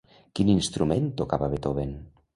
Quin instrument tocava Beethoven?